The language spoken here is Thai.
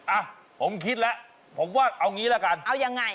อ่ะผมคิดแล้วผมว่าเอางี้ละกันเอายังไง